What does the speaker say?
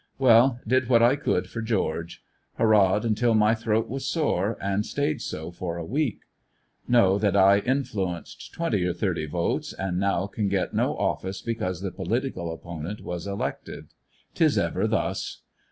Well, did what I could for George.; hurrahed until my throat was sore and stayed so for a week; know that I influenced twenty or thirty votes, and now can get no office because the political opponent was elected. 'Tis ever thus.